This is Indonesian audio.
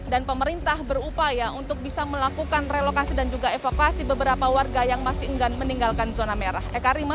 dan pemerintah berupaya untuk bisa melakukan relokasi dan juga evokasi beberapa warga yang masih enggan meninggalkan zona merah